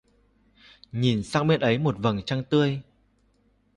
Nhìn sang bên ấy một vầng trăng tươi.